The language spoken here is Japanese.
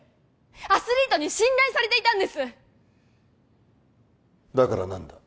アスリートに信頼されていたんですだから何だ？